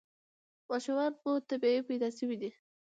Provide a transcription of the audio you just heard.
ماشومان مو طبیعي پیدا شوي دي؟